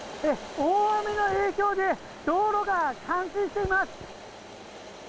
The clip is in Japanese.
大雨の影響で道路が冠水しています。